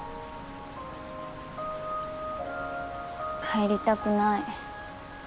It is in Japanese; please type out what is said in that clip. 帰りたくない。